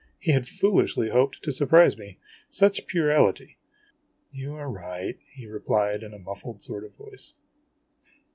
He had foolishly hoped to surprise me such puerility! "You are right," he replied, in a muffled sort of voice.